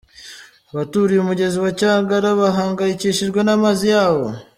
Abaturiye umugezi wa Cyagara bahangayikishijwe n’amazi yawo